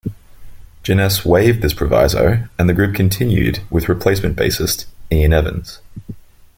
Jenness waived this proviso, and the group continued with replacement bassist Ean Evans.